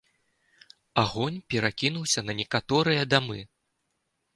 Агонь перакінуўся на некаторыя дамы.